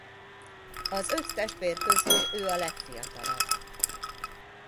Az öt testvér közül ő a legfiatalabb.